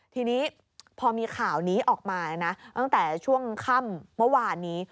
ทีนี้พอมีข่าวนี้ออกมานะตั้งแต่ช่วงค่ำเมื่อวานนี้